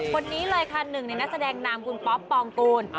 คนนี้เลยค่ะหนึ่งในนักแสดงนามคุณป๊อปปองกูล